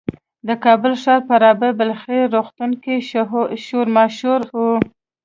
د کابل ښار په رابعه بلخي روغتون کې شور ماشور و.